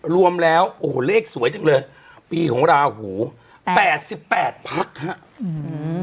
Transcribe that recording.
รวมแล้วโอ้โหเลขสวยจังเลยปีของราหูแปดสิบแปดพักฮะอืม